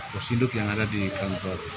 posiduk yang ada di kantor